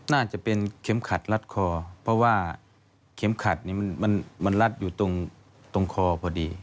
น่าจะเป็นเข็มขัดรัดคอเพราะว่าเข็มขัดมันรัดอยู่ตรงคอพอดี